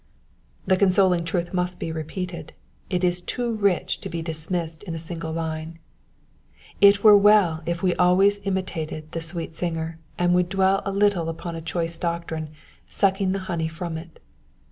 '''' The consoling truth must be repeated : it is too rich to be dismissed in a single line. It were well if we always imitated the sweet singer, and would dwell a little upon a choice doctrine, sucking the honey from it.